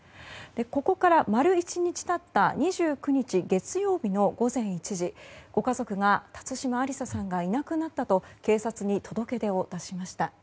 ここから丸一日経った２９日、月曜日の午前１時ご家族が辰島ありささんがいなくなったと警察に届け出を出しました。